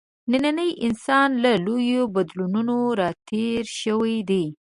نننی انسان له لویو بدلونونو راتېر شوی دی.